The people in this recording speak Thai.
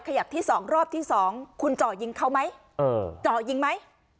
ขยับที่๒รอบที่๒คุณเจาะยิงเขาไหมเจาะยิงไหม